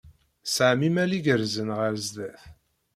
Tesɛam imal igerrzen ɣer sdat.